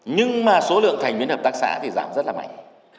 nhưng mà số lượng thành viên hợp tác xã thì giảm rất là mạnh